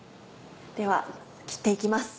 では切って行きます。